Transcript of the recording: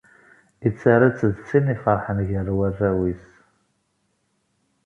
Ittarra-tt d tin iferḥen gar warraw-is.